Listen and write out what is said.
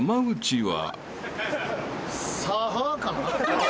サーファーかな？